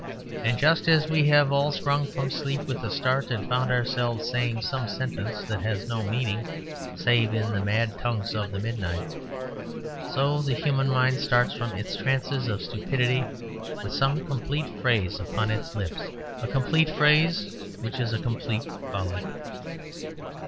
And just as we have all sprung from sleep with a start and found ourselves saying some sentence that has no meaning, save in the mad tongues of the midnight; so the human mind starts from its trances of stupidity with some complete phrase upon its lips; a complete phrase which is a complete folly.